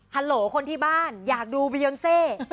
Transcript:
โหลคนที่บ้านอยากดูเบียนเซ